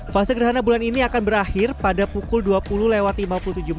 fase gerhana bulan ini akan berakhir pada pukul dua puluh lima puluh tujuh empat puluh tiga wib